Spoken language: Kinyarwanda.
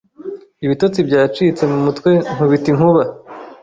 Ibitotsi byacitse mu mutwe nkubita inkuba